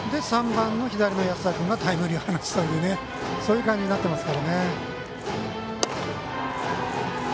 ３番の左の安田君がタイムリーを打つというそういう感じになってますね。